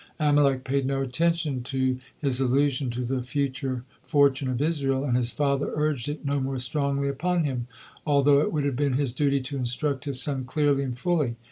Amalek paid no attention to his allusion to the future fortune of Israel, and his father urged it no more strongly upon him, although it would have been his duty to instruct his son clearly and fully.